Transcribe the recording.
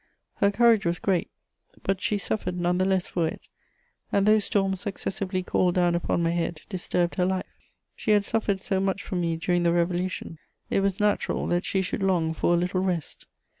Her courage was great, but she suffered none the less for it, and those storms successively called down upon my head disturbed her life. She had suffered so much for me during the Revolution; it was natural that she should long for a little rest.